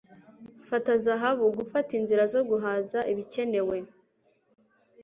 Fata zahabu! Gufata inzira zo guhaza ibikenewe!